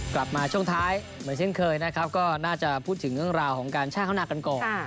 กลับมาช่วงท้ายเหมือนเช่นเคยนะครับก็น่าจะพูดถึงเรื่องราวของการแช่เข้าหน้ากันก่อน